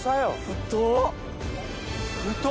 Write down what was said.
太っ！